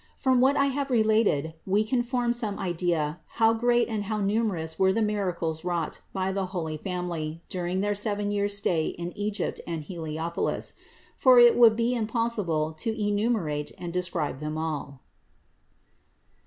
From what I have related we can form some idea how great and how numerous were the miracles wrought by the holy Family during their seven years' stay in Egypt and Heliopolis; for it would be impossible to enumerate and describe all of them.